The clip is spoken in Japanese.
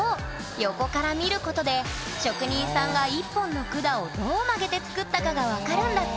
横から見ることで職人さんが１本の管をどう曲げて作ったかがわかるんだって！